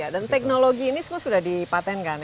dan teknologi ini semua sudah dipatenkan ya